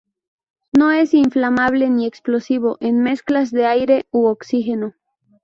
No es inflamable ni explosivo en mezclas de aire u oxígeno.